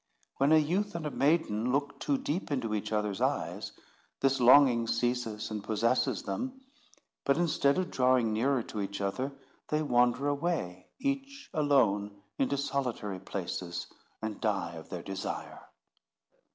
When a youth and a maiden look too deep into each other's eyes, this longing seizes and possesses them; but instead of drawing nearer to each other, they wander away, each alone, into solitary places, and die of their desire.